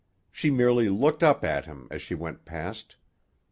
She merely looked up at him as she went past.